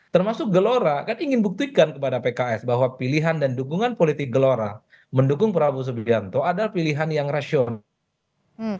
termasuk gelora kan ingin buktikan kepada pks bahwa pilihan dan dukungan politik gelora mendukung prabowo subianto adalah pilihan yang rasional